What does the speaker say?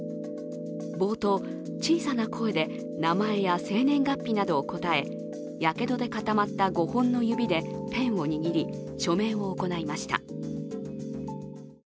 冒頭、小さな声で名前や生年月日などを答え、やけどで固まった５本の指でペンを握り、署名を行いました。